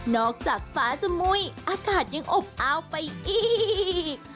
จากฟ้าจะมุ้ยอากาศยังอบอ้าวไปอีก